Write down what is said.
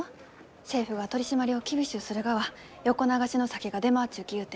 政府が取締りを厳しゅうするがは横流しの酒が出回っちゅうきゆうて。